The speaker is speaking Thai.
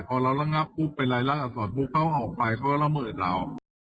พอเราระงับปุ๊บเป็นรายละอักษรปุ๊บเขาออกไปเขาก็ละเมิดเรา